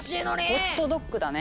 ホットドッグだね。